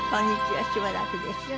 しばらくでした。